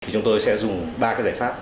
chúng tôi sẽ dùng ba cái giải pháp